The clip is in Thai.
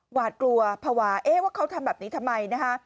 หวาดกลัวภาวะเอ๊ะว่าเขาทำแบบนี้ทำไมนะคะ